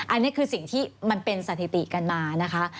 อันนี้คือสิ่งที่มันเป็นสถิติกันมานะคะ